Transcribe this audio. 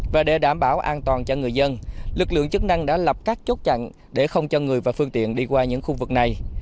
và để đảm bảo an toàn cho người dân lực lượng chức năng đã lập các chốt chặn để không cho người và phương tiện đi qua những khu vực này